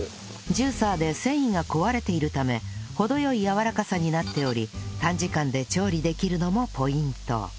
ジューサーで繊維が壊れているため程良いやわらかさになっており短時間で調理できるのもポイント